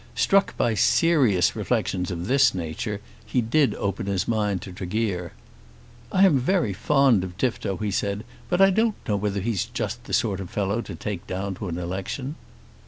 Struck by serious reflections of this nature he did open his mind to Tregear. "I am very fond of Tifto," he said, "but I don't know whether he's just the sort of fellow to take down to an election."